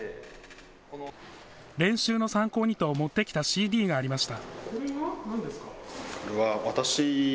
練習の参考にと持ってきたＣＤがありました。